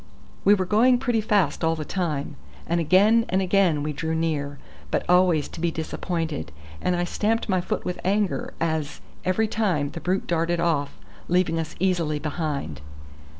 We were going pretty fast all the time, and again and again we drew near, but always to be disappointed, and I stamped my foot with anger, as, every time, the brute darted off, leaving us easily behind.